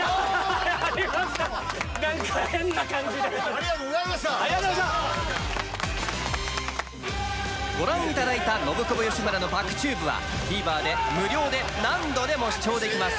ありがとうございましたご覧いただいた「ノブコブ吉村のぱくＴｕｂｅ」はＴＶｅｒで無料で何度でも視聴できます